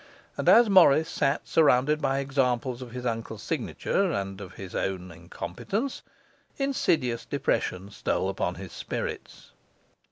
And as Morris sat surrounded by examples of his uncle's signature and of his own incompetence, insidious depression stole upon his spirits.